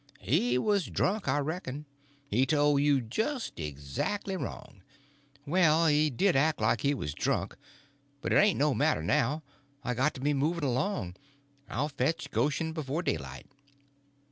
"He was drunk, I reckon. He told you just exactly wrong." "Well, he did act like he was drunk, but it ain't no matter now. I got to be moving along. I'll fetch Goshen before daylight."